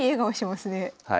はい。